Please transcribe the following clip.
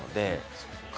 そっか。